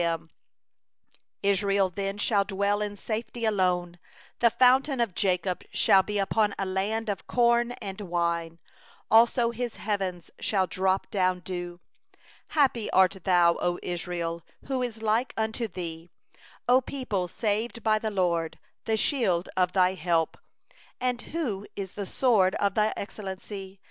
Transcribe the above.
28And Israel dwelleth in safety, The fountain of Jacob alone, In a land of corn and wine; Yea, his heavens drop down dew. 29Happy art thou, O Israel, who is like unto thee? A people saved by the LORD, The shield of thy help, And that is the sword of thy excellency!